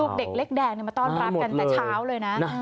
เด็กเล็กแดงมาต้อนรับกันแต่เช้าเลยนะ